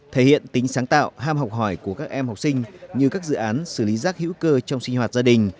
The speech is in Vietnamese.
thể hiện tính sáng tạo ham học hỏi của các em học sinh như các dự án xử lý rác hữu cơ trong sinh hoạt gia đình